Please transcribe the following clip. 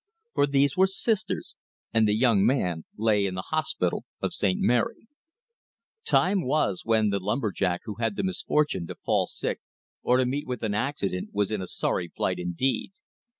For these were Sisters, and the young man lay in the Hospital of St. Mary. Time was when the lumber jack who had the misfortune to fall sick or to meet with an accident was in a sorry plight indeed.